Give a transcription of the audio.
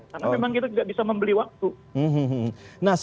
karena memang kita tidak bisa membeli waktu